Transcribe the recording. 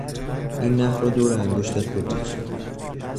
این نخ را دور انگشتت بپیچ.